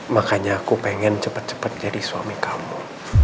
makanya aku pengen cepet cepet jadi suami kamu